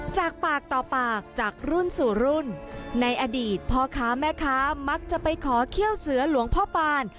จากปากต่อปากจากรุ่นสู่รุ่นในอดีตพ่อค้าแม่ค้ามักจะไปขอเขี้ยวเสือหลวงพ่อปาน